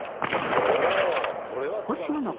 ほうそれは素晴らしい。